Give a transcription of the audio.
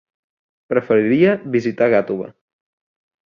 Preferiria visitar Gàtova.